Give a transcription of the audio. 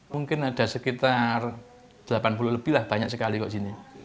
mungkin ada sekitar delapan puluh lebih lah banyak sekali kok di sini